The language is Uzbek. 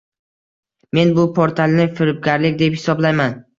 Men bu portalni firibgarlik deb hisoblayman